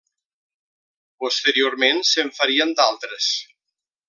Posteriorment se'n farien d'altres.